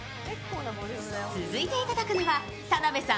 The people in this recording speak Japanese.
続いていだくのは、田辺さん